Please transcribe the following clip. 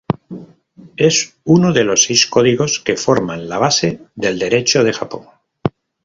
Es uno de los seis códigos que forman la base del Derecho de Japón.